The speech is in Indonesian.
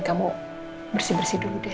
kamu bersih bersih dulu deh